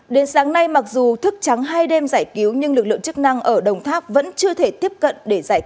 đến sáng nay mặc dù thức trắng hai đêm giải cứu nhưng lực lượng chức năng ở đồng tháp vẫn chưa thể tiếp cận để giải cứu